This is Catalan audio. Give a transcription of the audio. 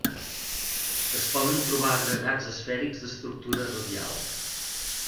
Es poden trobar agregats esfèrics d'estructura radial.